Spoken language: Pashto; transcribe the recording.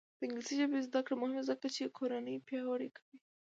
د انګلیسي ژبې زده کړه مهمه ده ځکه چې کورنۍ پیاوړې کوي.